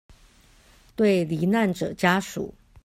對罹難者家屬